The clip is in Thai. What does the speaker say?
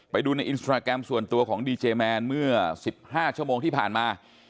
ไปดูในอินสตราแกรมส่วนตัวของดีเจแมนเมื่อ๑๕ชั่วโมงที่ผ่านมา